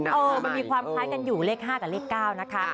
เออมันมีความคล้ายกันอยู่เลข๕กับเลข๙นะคะ